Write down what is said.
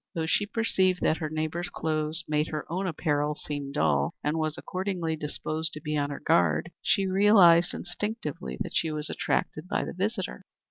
Though she perceived that her neighbor's clothes made her own apparel seem dull, and was accordingly disposed to be on her guard, she realized instinctively that she was attracted by the visitor.